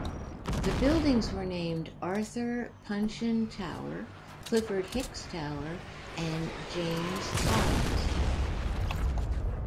The buildings were named Arthur Punshion Tower, Clifford Hicks Tower, and James Collins Tower.